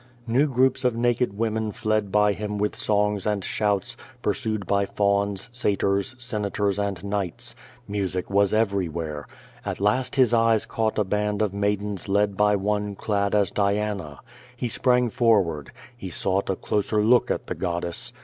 New groups of naked women fled by him with songs and shouts, pursued by fauns, satyrs, senators and knights. Music was everywhere. At last his eyes caught a band of maidens led by one clad as Diana. He sprang for ward. He sought a closer look at the goddess.